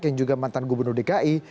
yang juga mantan gubernur dki